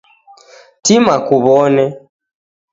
Tima kuw'one